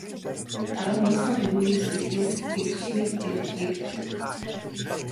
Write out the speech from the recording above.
Дараа нь муулсан хонины сүүлнээс нэг зүсмийг идээд эргээд хэвтэв.